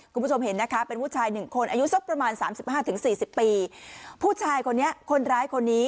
คุณผู้ชมเห็นนะคะเป็นผู้ชายหนึ่งคน